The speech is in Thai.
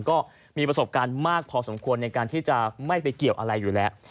ก็มีประสบการณ์มากพอสมควรในการที่จะไม่ไปเกี่ยวอะไรอยู่แล้ว